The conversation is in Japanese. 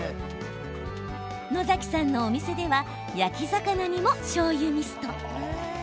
野崎さんのお店では焼き魚にも、しょうゆミスト。